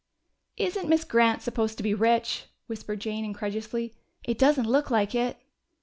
"Isn't Miss Grant supposed to be rich?" whispered Jane incredulously. "It doesn't look like it!"